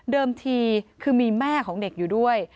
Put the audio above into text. ทีคือมีแม่ของเด็กอยู่ด้วย